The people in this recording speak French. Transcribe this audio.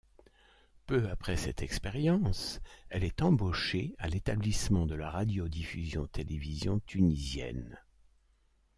Peu après cette expérience, elle est embauchée à l'Établissement de la radiodiffusion-télévision tunisienne.